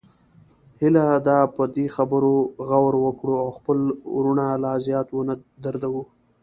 هیله ده په دې خبرو غور وکړو او خپل وروڼه لا زیات ونه دردوو